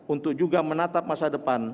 untuk juga menatap masa depan